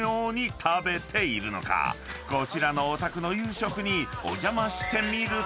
［こちらのお宅の夕食にお邪魔してみると］